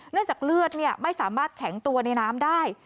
จากเลือดไม่สามารถแข็งตัวในน้ำได้